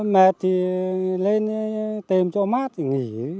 mệt thì lên tềm cho mát thì nghỉ